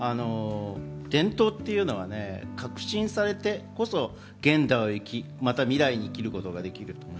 伝統というのは確信されてこそ、現代を生き、未来に生きることができる。